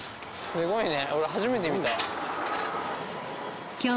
すごいね。